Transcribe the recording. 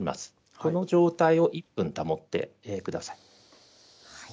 この状態を１分保ってください。